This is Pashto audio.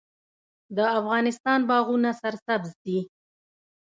د افغانستان باغونه سرسبز دي